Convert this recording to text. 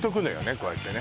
こうやってね